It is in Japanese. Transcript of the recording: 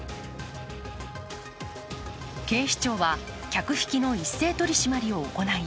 警視庁は、客引きの一斉取り締まりを行い、